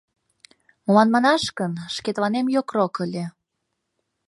— Молан манаш гын, шкетланем йокрок ыле.